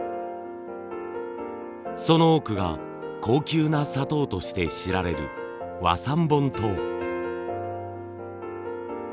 その多くが高級な砂糖として知られる和三盆糖。